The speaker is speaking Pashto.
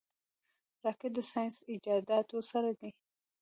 راکټ د ساینسي ایجاداتو سر دی